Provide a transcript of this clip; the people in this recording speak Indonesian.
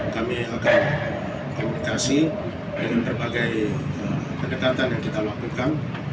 kami akan komunikasi dengan berbagai pendekatan yang kita lakukan